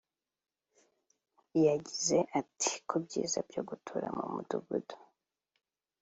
yagize ati “ku byiza byo gutura mu midugudu